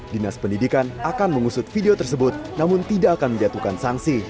dinas pendidikan akan mengusut video tersebut namun tidak akan menjatuhkan sanksi